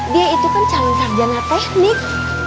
dia itu kan calon sarjana teknik